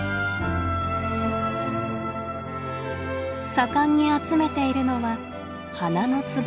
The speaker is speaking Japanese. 盛んに集めているのは花のつぼみ。